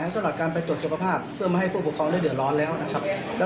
สำหรับการไปตรวจสุขภาพเพื่อไม่ให้ผู้ปกครองได้เดือดร้อนแล้วนะครับ